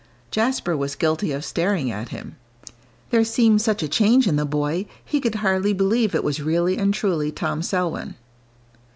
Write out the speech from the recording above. Jasper was guilty of staring at him; there seemed such a change in the boy, he could hardly believe it was really and truly Tom Selwyn.